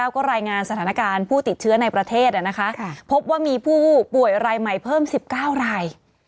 ก็รายงานสถานการณ์ผู้ติดเชื้อในประเทศพบว่ามีผู้ป่วยรายใหม่เพิ่ม๑๙ราย